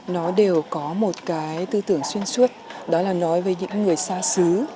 nó đều có một cái tư tưởng xuyên suốt đó là nói với những người xa xứ